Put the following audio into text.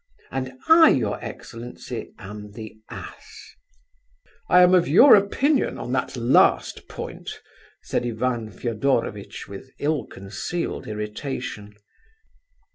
And I, your excellency, am the ass." "I am of your opinion on that last point," said Ivan Fedorovitch, with ill concealed irritation.